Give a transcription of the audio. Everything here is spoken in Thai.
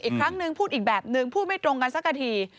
อีกครั้งนึงพูดอีกแบบนึงพูดไม่ตรงกันสักที